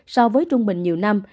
so với trung bình nhiều năm